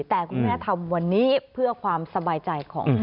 แต่คุณแม่ทำวันนี้เพื่อความสบายใจของพ่อ